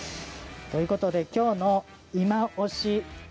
ということで、今日の「いまオシ！